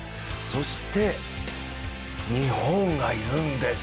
そして、日本がいるんです。